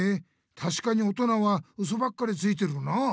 たしかにおとなはウソばっかりついてるなあ。